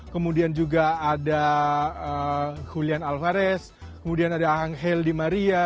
kemudian juga ada julian alvarez kemudian ada angel di maria